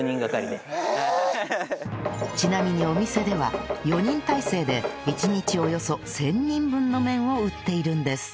ちなみにお店では４人体制で一日およそ１０００人分の麺を打っているんです